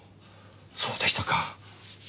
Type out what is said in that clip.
そうでしたか。